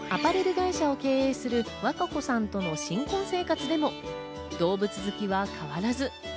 アパレル会社を経営するワカ子さんとの新婚生活でも動物好きは変わらず。